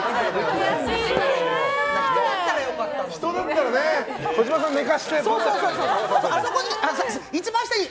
人だったら良かったのに。